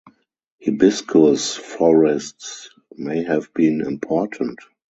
"Hibiscus" forests may have been important.